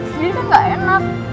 sendirikan gak enak